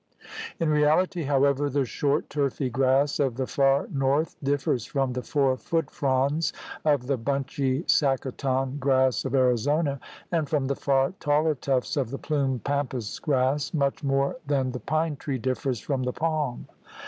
In reality, however, the short turfy grass of the far north differs from the four foot fronds of the bunchy saccaton grass of Arizona, and from the far taller tufts of the plumed pampas grass, much more than the pine tree differs from the palm.